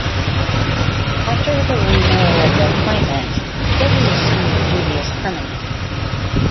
After the renewal of the appointment, judges assume their duty as permanent.